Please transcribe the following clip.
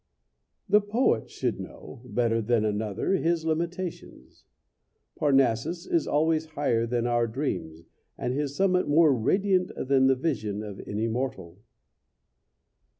The poet should know, better than another, his limitations. Parnassus is always higher than our dreams, and his summit more radiant than the vision of any mortal.